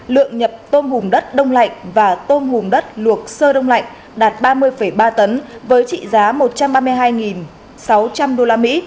lượng nhập tôm hùm đất đông lạnh và tôm hùm đất luộc sơ đông lạnh đạt ba mươi ba tấn với trị giá một trăm ba mươi hai sáu trăm linh usd